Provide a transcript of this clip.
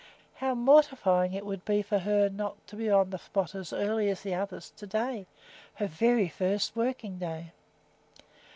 How mortifying it would be for her not to be on the spot as early as the others to day, her very first working day!